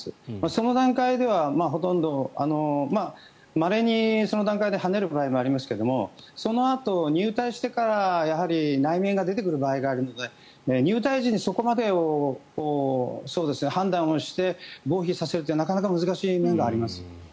その段階ではまれに、その段階ではねる場合もありますがそのあと、入隊してからやはり内面が出てくる場合があるので入隊時にそこまでを判断して合否させるってなかなか難しい面があります。